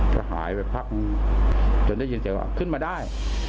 จะหายไปพักจนด้ายยิ่งเรียกขึ้นมาได้